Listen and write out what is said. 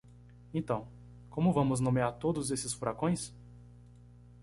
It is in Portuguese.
Então, como vamos nomear todos esses furacões?